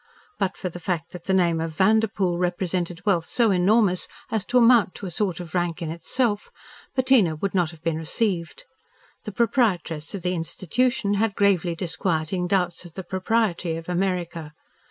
But for the fact that the name of Vanderpoel represented wealth so enormous as to amount to a sort of rank in itself, Bettina would not have been received. The proprietress of the institution had gravely disquieting doubts of the propriety of America.